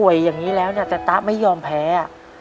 ป่วยอย่างนี้แล้วเนี่ยแต่ต๊ะไม่ยอมแพ้